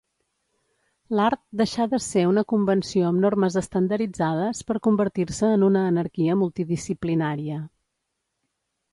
L'art deixà de ser una convenció amb normes estandarditzades per convertir-se en una anarquia multidisciplinària.